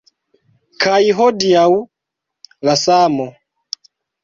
Kaj hodiaŭ… la samo.